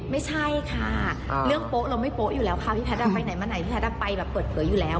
ไม่ใช่ค่ะเรื่องโป๊ะเราไม่โป๊ะอยู่แล้วค่ะพี่แพทย์ไปไหนมาไหนพี่แพทย์ไปแบบเปิดเผยอยู่แล้ว